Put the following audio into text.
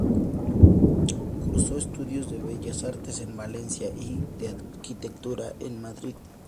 Cursó estudios de bellas artes en Valencia y de arquitectura en Madrid.